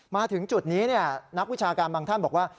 มาถึงจุดนี้นักวิชาการบางท่านบอกว่า